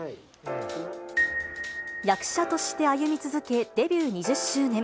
役者として歩み続け、デビュー２０周年。